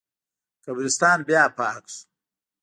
قبرستان بیا پاک شو.